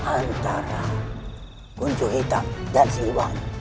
antara kudu hitam dan siwan